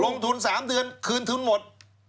ลงทุน๓เดือนคืนทุนหมด